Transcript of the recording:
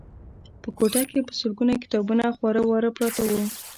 په کوټه کې په سلګونه کتابونه خواره واره پراته وو